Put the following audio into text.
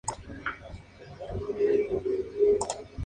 Recientemente, ha fundado la fundación Islam Karimov en memoria de su padre.